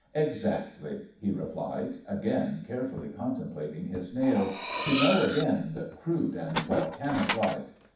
"Exactly," he replied, again carefully contemplating his nails, "to know again the crude and volcanic life.